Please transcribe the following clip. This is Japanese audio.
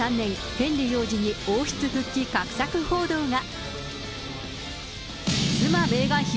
ヘンリー王子に王室復帰画策報道が。